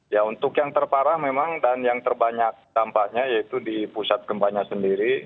ya untuk yang terparah memang dan yang terbanyak dampaknya yaitu di pusat gempanya sendiri